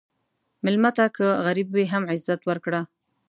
مېلمه ته که غریب وي، هم عزت ورکړه.